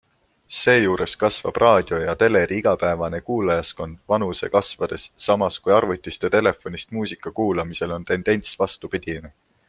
Seejuures kasvab raadio ja teleri igapäevane kuulajaskond vanuse kasvades, samas kui arvutist ja telefonist muusika kuulamisel on tendents vastupidine.